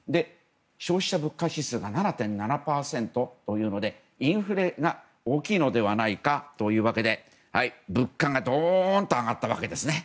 消費者物価指数が７．７％というのでインフレが大きいのではないかというわけで物価がドーンと上がったわけですね。